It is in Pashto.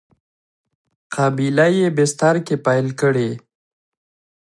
قبیله یي بستر کې پیل کړی.